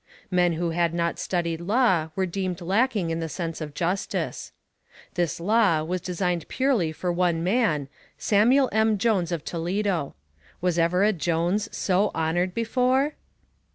Men who had not studied law were deemed lacking in the sense of justice. This law was designed purely for one man Samuel M. Jones of Toledo. Was ever a Jones so honored before?